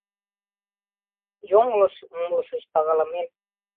— Йоҥылыш умылышыч, пагалымем!